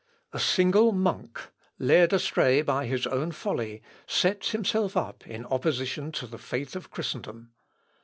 A single monk, led astray by his own folly, sets himself up in opposition to the faith of Christendom.